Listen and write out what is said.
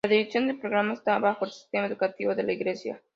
La dirección del programa está bajo el Sistema Educativo de la Iglesia.